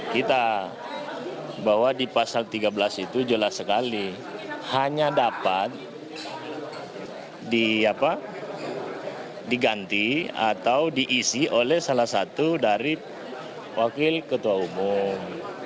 kita bahwa di pasal tiga belas itu jelas sekali hanya dapat diganti atau diisi oleh salah satu dari wakil ketua umum